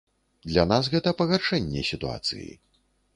Для нас гэта пагаршэнне сітуацыі.